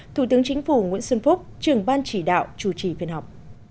thủ tướng chính phủ nguyễn xuân phúc trưởng ban chỉ đạo chủ trì phiên họp